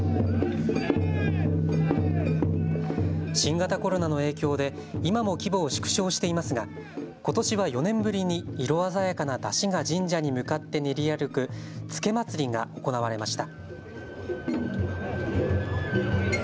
新型コロナの影響で今も規模を縮小していますが、ことしは４年ぶりに色鮮やかな山車が神社に向かって練り歩く付祭が行われました。